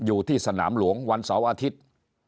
อยู่ที่สนามหลวงวันเสาร์อาทิตย์